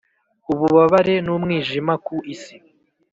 Ububabare n’umwijima ku isi